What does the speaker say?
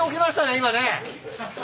今ね。